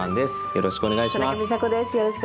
よろしくお願いします。